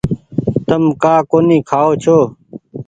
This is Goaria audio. تم ڪآ ڪونيٚ کآئو ڇو۔